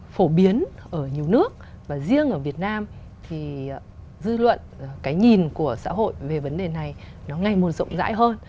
phổ biến ở nhiều nước và riêng ở việt nam thì dư luận cái nhìn của xã hội về vấn đề này nó ngày một rộng rãi hơn